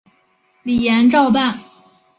李俨照办。